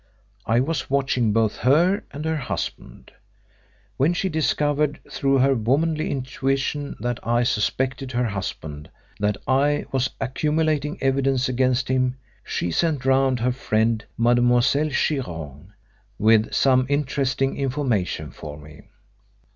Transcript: I was watching both her and her husband. When she discovered through her womanly intuition that I suspected her husband; that I was accumulating evidence against him; she sent round her friend, Mademoiselle Chiron, with some interesting information for me.